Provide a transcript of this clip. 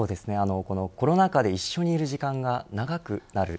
コロナ禍で一緒にいる時間が長くなる。